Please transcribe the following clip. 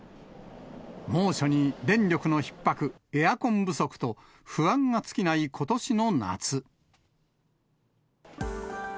猛暑に電力のひっ迫、エアコン不足と、不安が尽きないことしの夏。